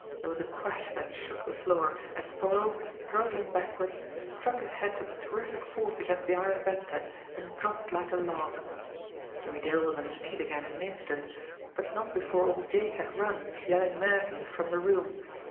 There was a crash that shook the floor, as Thorold, hurtling backwards, struck his head with terrific force against the iron bedstead, and dropped like a log. Jimmie Dale was on his feet again in an instant but not before old Jake had run, yelling madly, from the room.